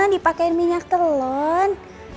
dipakein minyak telon